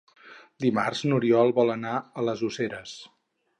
Dimarts n'Oriol vol anar a les Useres.